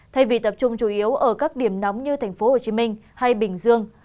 thay vì tập trung chủ yếu ở các điểm nóng như tp hcm hay bình dương